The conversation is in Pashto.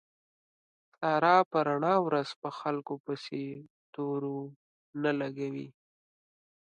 ساره په رڼا ورځ په خلکو پسې تورو نه لګوي.